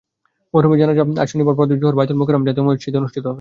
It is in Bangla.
মরহুমের জানাজা আজ শনিবার বাদ জোহর বায়তুল মোকাররম জাতীয় মসজিদে অনুষ্ঠিত হবে।